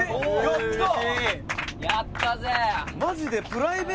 やったー！